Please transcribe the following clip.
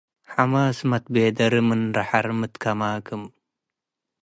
ሐማስ መትበዴሪ - ምንረሐር መትከማክም